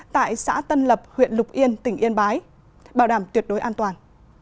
tại xã tân lập huyện lục yên tỉnh yên bái bảo đảm tuyệt đối an toàn